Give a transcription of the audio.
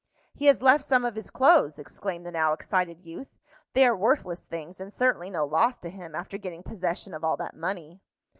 "He has left some of his clothes," exclaimed the now excited youth. "They are worthless things; and certainly no loss to him, after getting possession of all that money."